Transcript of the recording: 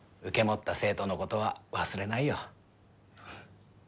受け持った生徒の事は忘れないよ。